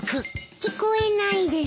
聞こえないです。